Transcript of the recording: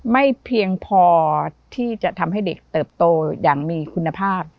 ไม่เพียงพอที่จะทำให้เด็กเติบโตอย่างมีคุณภาพ